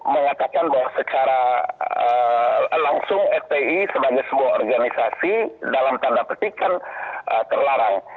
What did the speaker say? mengatakan bahwa secara langsung fpi sebagai sebuah organisasi dalam tanda petik kan terlarang